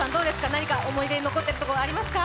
何か思い出に残ってること、ありますか？